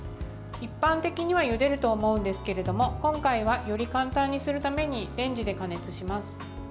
一般的にはゆでると思うんですけれども今回は、より簡単にするためにレンジで加熱します。